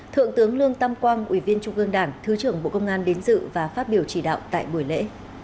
thượng tướng lương tam quang ủy viên trung ương đảng thứ trưởng bộ công an đến dự và phát biểu chỉ đạo tại buổi lễ